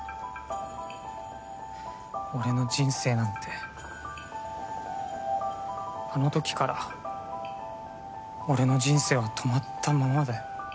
俺の人生なんてあのときから俺の人生は止まったままだよ